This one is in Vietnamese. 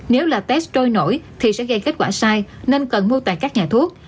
nếu là test trôi nổi thì sẽ gây kết quả sai nên cần mua tại các nhà thuốc